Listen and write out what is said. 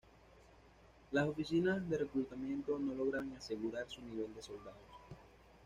Las oficinas de reclutamiento no lograban asegurar su nivel de soldados.